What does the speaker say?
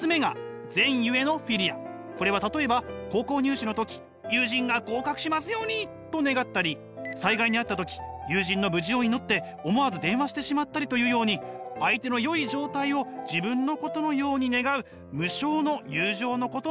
これは例えば高校入試の時友人が合格しますようにと願ったり災害に遭った時友人の無事を祈って思わず電話してしまったりというように相手の良い状態を自分のことのように願う無償の友情のことなのです。